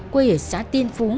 quê ở xã tiên phú